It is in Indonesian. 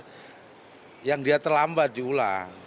pak jokowi maka dia terlambat diulang